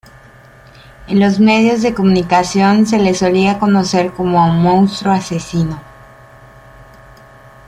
En los medios de comunicación, se le solía conocer como ""Monstruo asesino"".